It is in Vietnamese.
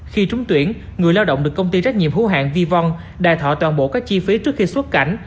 khi trúng tuyển người lao động được công ty trách nhiệm hữu hạng vi vong đài thọ toàn bộ các chi phí trước khi xuất cảnh